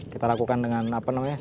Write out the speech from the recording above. kita lakukan dengan apa namanya